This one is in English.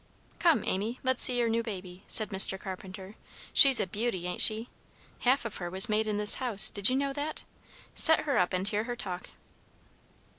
"Come, Amy, let's see your new baby," said Mr. Carpenter. "She's a beauty, ain't she? Half of her was made in this house, did you know that? Set her up, and let's hear her talk."